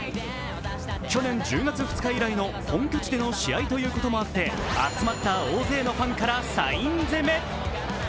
去年１０月２日以来の本拠地での試合とあって集まった大勢のファンからサイン攻め。